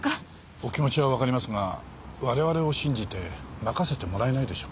お気持ちはわかりますが我々を信じて任せてもらえないでしょうか？